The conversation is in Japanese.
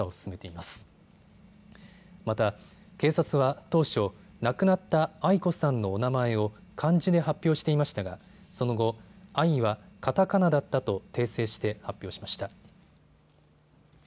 また、警察は当初、亡くなったアイ子さんのお名前を漢字で発表していましたがその後、アイはカタカナだったと訂正して発表しました。